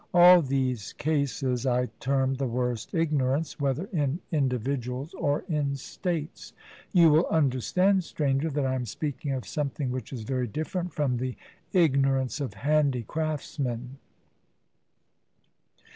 All these cases I term the worst ignorance, whether in individuals or in states. You will understand, Stranger, that I am speaking of something which is very different from the ignorance of handicraftsmen.